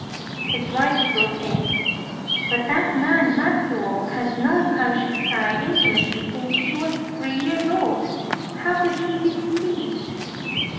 His wife broke in :" But that man, Matsuo, has known Kanshusai in timately since he was three years old. How could he be deceived